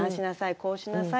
こうしなさい。